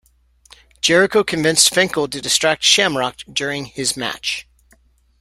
Jericho convinced Finkel to distract Shamrock during his match.